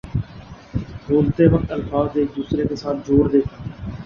بولتے وقت الفاظ ایک دوسرے کے ساتھ جوڑ دیتا ہوں